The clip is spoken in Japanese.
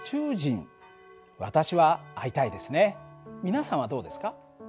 皆さんはどうですか？